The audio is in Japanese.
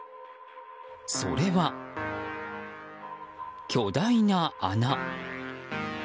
それは、巨大な穴。